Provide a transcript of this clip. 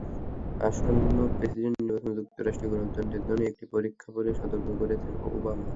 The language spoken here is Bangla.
আসন্ন প্রেসিডেন্ট নির্বাচন যুক্তরাষ্ট্রের গণতন্ত্রের জন্য একটি পরীক্ষা বলে সতর্ক করেন ওবামা।